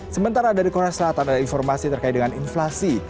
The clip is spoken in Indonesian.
sementara dari korea selatan ada informasi terkait dengan inflasi